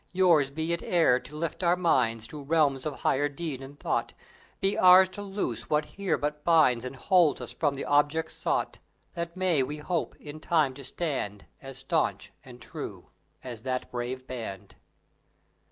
Yours be it e'er to lift our minds To realms of higher deed and thought; Be ours to loose what here but binds And holds us from the object sought. Then may we hope, in time, to stand As staunch and true as that brave band.